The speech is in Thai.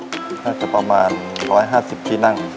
น่าจะประมาณ๑๕๐ที่นั่ง